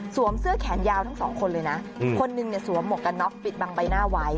เสื้อแขนยาวทั้งสองคนเลยนะคนหนึ่งเนี่ยสวมหมวกกันน็อกปิดบังใบหน้าไว้